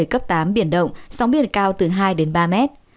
cấp tám biển động sóng biển cao từ hai đến ba mét